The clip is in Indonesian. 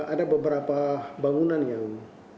ada beberapa bangunan yang